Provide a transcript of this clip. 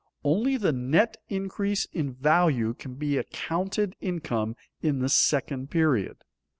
Only the net increase in value can be accounted income in the second period.